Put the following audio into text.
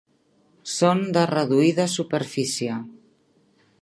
Són de reduïda superfície.